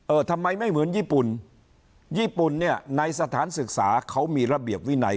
ทำไมไม่เหมือนญี่ปุ่นญี่ปุ่นเนี่ยในสถานศึกษาเขามีระเบียบวินัย